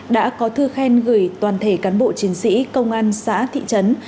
đã có thư khen gửi toàn thể cán bộ chiến sĩ công an xã thị trấn